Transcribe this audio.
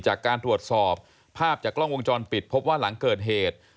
จากการตรวจสอบภาพจากกล้องวงจรปิดพบว่าหลังเกิดเหตุ